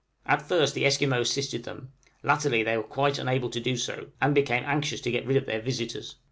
At first the Esquimaux assisted them; latterly they were quite unable to do so, and became anxious to get rid of their visitors.